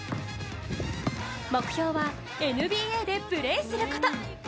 目標はＮＢＡでプレーすること。